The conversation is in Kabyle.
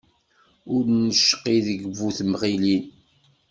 Ur d-necqi deg bu-temɣilin.